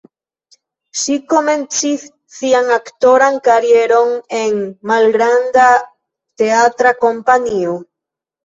Ŝi komencis sian aktoran karieron en malgranda teatra kompanio.